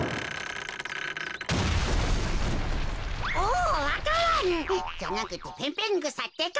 おわか蘭じゃなくてペンペングサってか。